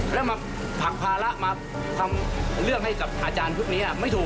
แล้วมาผลักภาระมาทำเรื่องให้กับอาจารย์พวกนี้ไม่ถูก